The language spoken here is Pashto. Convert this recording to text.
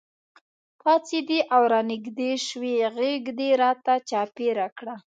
پاڅېدې او رانږدې شوې غېږ دې راته چاپېره کړه.